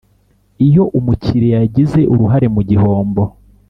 Iyo umukiriya yagize uruhare mu gihombo